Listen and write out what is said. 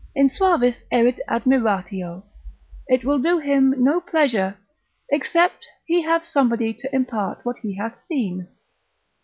insuavis erit admiratio, it will do him no pleasure, except he have somebody to impart what he hath seen.